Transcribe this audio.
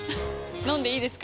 飲んでいいですか？